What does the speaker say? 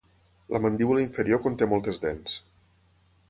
La mandíbula inferior conté moltes dents.